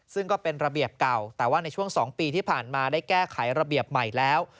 ซึ่งก็เป็นระเบียบเก่าแต่ว่าในช่วง๒ปีที่ผ่านมาได้แก้ไขระเบียบใหม่แล้ว